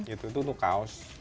itu untuk kaos